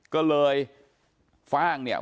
ก็เลยฟ่างเนี่ย